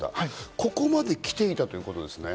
ここまで来ていたということですね。